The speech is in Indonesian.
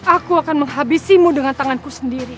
aku akan menghabisimu dengan tanganku sendiri